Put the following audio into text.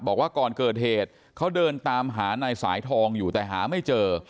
บอกว่าก่อนเกิดเหตุเขาเดินตามหานายสายทองอยู่แต่หาไม่เจอ